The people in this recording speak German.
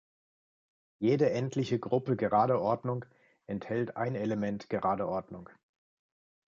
Jede endliche Gruppe gerader Ordnung enthält ein Element gerader Ordnung.